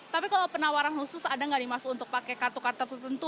tapi kalau penawaran khusus ada nggak dimaksud untuk pakai kartu kartu tertentu